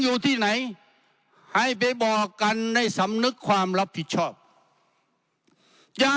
อยู่ที่ไหนให้ไปบอกกันได้สำนึกความรับผิดชอบอย่า